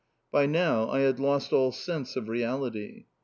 By now I had lost all sense of reality.